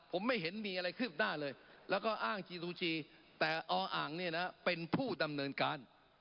ผมไม่เห็นมีอะไรคืบหน้าเลยแล้วก็อ้างจีซูจีแต่ออ่างเนี่ยนะเป็นผู้ดำเนินการ